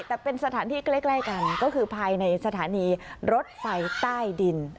แต่เป็นสถานที่ใกล้กันก็คือภายในสถานีรถไฟใต้ดิน